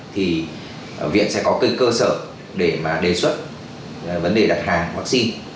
thì viện sẽ có cái cơ sở để mà đề xuất vấn đề đặt hàng vaccine